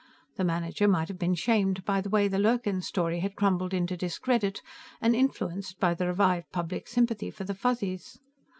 The manager might have been shamed by the way the Lurkin story had crumbled into discredit, and influenced by the revived public sympathy for the Fuzzies.